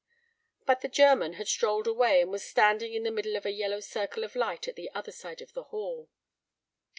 But the German had strolled away, and was standing in the middle of a yellow circle of light at the other side of the hall.